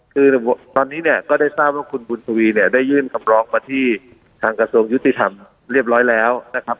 คือตอนนี้เนี่ยก็ได้ทราบว่าคุณบุญทวีเนี่ยได้ยื่นคำร้องมาที่ทางกระทรวงยุติธรรมเรียบร้อยแล้วนะครับ